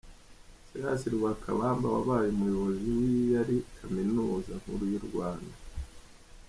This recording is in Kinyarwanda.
Silas Lwakabamba wabaye Umuyobozi w’iyari Kaminuza Nkuru y’u Rwanda.